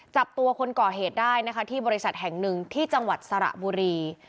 จับตัวคนก่อเหตุได้นะคะที่บริษัทแห่งหนึ่งที่จังหวัดสระบุรี